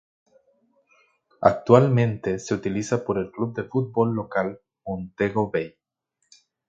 Actualmente se utiliza por el club de fútbol local Montego Bay.